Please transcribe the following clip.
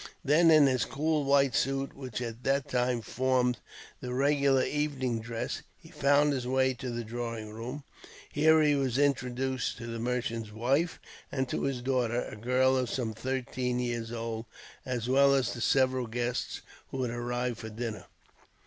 Then in his cool white suit, which at that time formed the regular evening dress, he found his way to the drawing room. Here he was introduced to the merchant's wife, and to his daughter, a girl of some thirteen years old, as well as to several guests who had arrived for dinner.